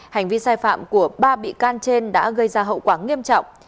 hành vi sai phạm của ba bị can trên đã gây ra hậu quả nghiêm trọng